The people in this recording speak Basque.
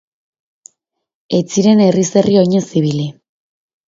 Ez ziren herriz herri oinez ibili.